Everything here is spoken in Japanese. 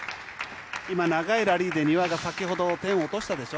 今、長いラリーで丹羽が先ほど点を落としたでしょ。